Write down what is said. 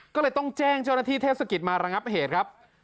ก็เลยต้องแจ้งเจ้าหน้าที่เทศกิจมาระงับเหตุครับ